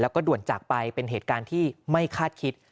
แล้วก็ด่วนจากไปเป็นเหตุการณ์ที่ไม่คาดคิด